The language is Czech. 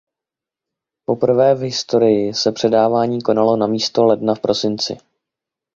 Poprvé v historii se předávání konalo namísto ledna v prosinci.